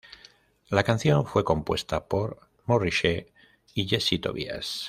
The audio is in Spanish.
La canción fue compuesta por Morrissey y Jesse Tobias.